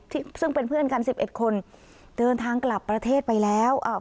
ซึ่งซึ่งเป็นเพื่อนกันสิบเอ็ดคนเดินทางกลับประเทศไปแล้วอ่า